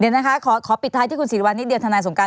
เดี๋ยวนะคะขอปิดท้ายที่คุณศิริวัณนิดเดียวทนายสงการ